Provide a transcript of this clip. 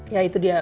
ya itu dia